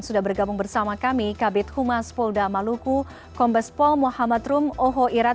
sudah bergabung bersama kami kabit humas polda maluku kombes pol muhammad rum ohho irat